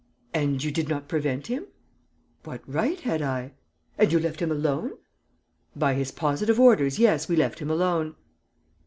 "And you did not prevent him?" "What right had I?" "And you left him alone?" "By his positive orders, yes, we left him alone."